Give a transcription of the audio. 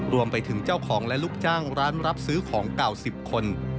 รวมไปถึงเจ้าของและลูกจ้างร้านรับซื้อของเก่า๑๐คน